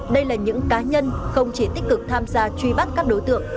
đây là những cá nhân không chỉ tích cực tham gia truy bắt các đối tượng